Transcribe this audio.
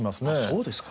そうですか。